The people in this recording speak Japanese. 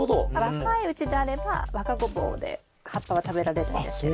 若いうちであれば若ゴボウで葉っぱは食べられるんですけれど。